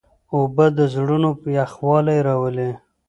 اوبه د زړونو یخوالی راولي.